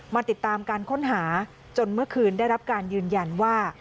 มาติดตามการค้นหาจนเมื่อคืนได้รับการยืนยันว่า